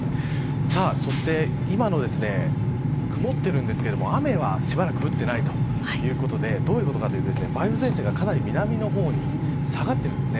そして今の曇っているんですけれども雨は、しばらく降っていないということでどういうことかというと梅雨前線がかなり南の方に下がっているんです。